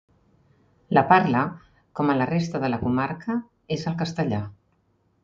La parla, com a la resta de la comarca, és el castellà.